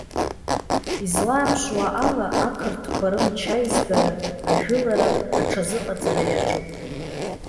Излааԥшуа ала, ақырҭқәа рымч аизгара, ажәылара аҽазыҟаҵара иаҿуп.